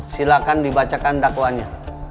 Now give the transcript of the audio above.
silahkan dibacakan dakwaannya